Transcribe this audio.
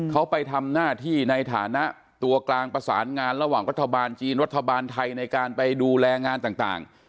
เขาไปทำหน้าที่ในฐานะตัวกลางประสานงานระหว่างรัฐบาลจีนรัฐบาลไทยในการไปดูแลงานต่าง